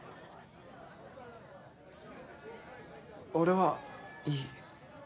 俺はいい。